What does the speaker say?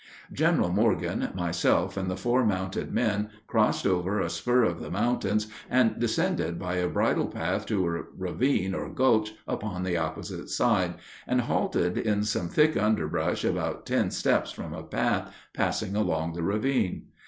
General Morgan, myself, and the four mounted men crossed over a spur of the mountains and descended by a bridle path to a ravine or gulch upon the opposite side, and halted in some thick underbrush about ten steps from a path passing along the ravine.